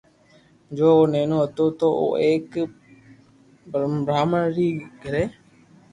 جني او نينو ھتو تو او ايڪ برھامڻ ري گھري